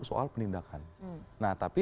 soal penindakan nah tapi